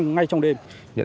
ngay trong đêm